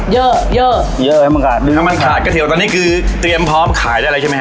เยื่อเยื่อเยื่อให้มันขาดถึงงางมันขาดกระเทียวตอนนี้คือเตรียมพร้อมขายได้เลยใช่ไหมฮะ